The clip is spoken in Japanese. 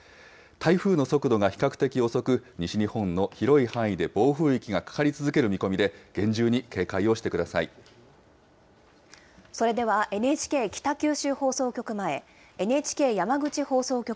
台風の速度が比較的遅く、西日本の広い範囲で暴風域がかかり続ける見込みで、厳重に警戒をそれではＮＨＫ北九州放送局